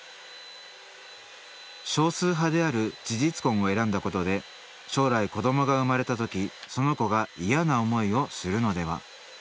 少数派である事実婚を選んだことで将来子どもが生まれた時その子が嫌な思いをするのでは？